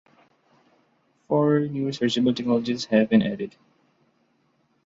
Four new researchable technologies have been added.